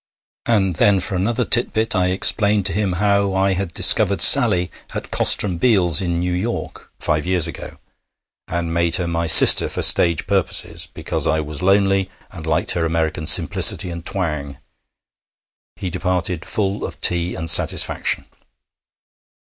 And then for another tit bit I explained to him how I had discovered Sally at Koster and Bial's, in New York, five years ago, and made her my sister for stage purposes because I was lonely, and liked her American simplicity and twang. He departed full of tea and satisfaction.